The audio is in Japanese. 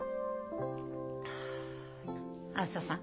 あづささん。